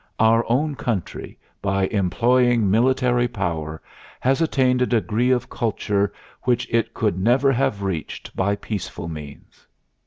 Our own country, by employing military power, has attained a degree of Culture which it could never have reached by peaceful means.